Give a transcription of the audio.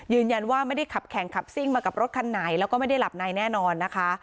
ไม่ได้ขับแข่งขับซิ่งมากับรถคันไหนแล้วก็ไม่ได้หลับในแน่นอนนะคะ